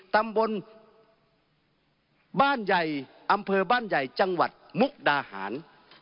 ตำบลบ้านใหญ่อำเภอบ้านใหญ่จังหวัดมุกดาหาร